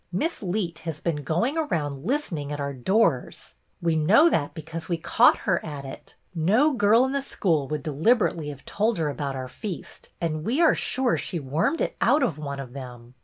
Miss Leet has been going around listening at our doors. We know that because we caught her at it. No girl in the school would deliberately have told her about our feast, and we are sure she wormed it out of one of them.